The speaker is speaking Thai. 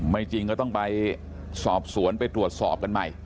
จริงก็ต้องไปสอบสวนไปตรวจสอบกันใหม่